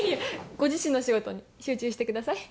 ご自身の仕事に集中してください